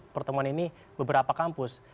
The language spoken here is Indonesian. pertemuan ini beberapa kampus